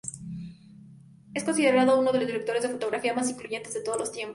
Es considerado uno de los directores de fotografía más influyentes de todos los tiempos.